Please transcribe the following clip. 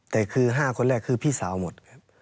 แต่คือ๕คนแรกคือพี่สาวหมด